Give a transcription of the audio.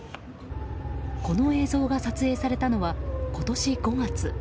この映像が撮影されたのは今年５月。